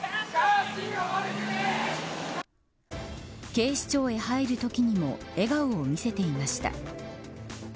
警視庁へ入るときにも笑顔を見せていました。